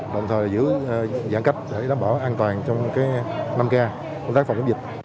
đồng thời giữ giãn cách để đảm bảo an toàn trong năm k công tác phòng chống dịch